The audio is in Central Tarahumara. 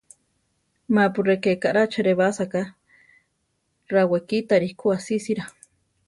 Ma-pu ré, ké kaʼrá cheʼlebasa ka; rawekítari ku asísira.